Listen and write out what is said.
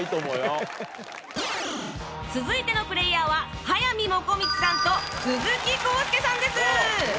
続いてのプレーヤーは速水もこみちさんと鈴木浩介さんです！